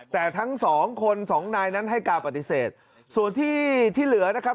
แต่ทั้งสองคนสองนายนั้นให้การปฏิเสธส่วนที่ที่เหลือนะครับ